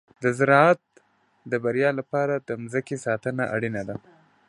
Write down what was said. د زراعت د بریا لپاره د مځکې ساتنه اړینه ده.